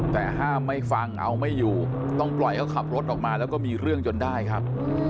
แต่ห้ามไม่ฟังเอาไม่อยู่ต้องปล่อยเขาขับรถออกมาแล้วก็มีเรื่องจนได้ครับ